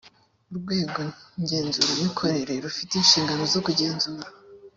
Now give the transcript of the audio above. urwego ngenzuramikorere rufite inshingano zo kugenzura